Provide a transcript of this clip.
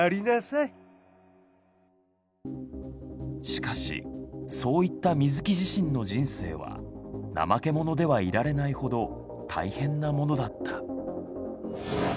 しかしそう言った水木自身の人生は「なまけ者」ではいられないほど大変なものだった。